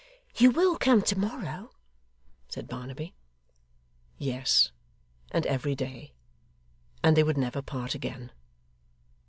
'You will come to morrow?' said Barnaby. Yes. And every day. And they would never part again.